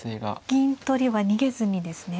銀取りは逃げずにですね。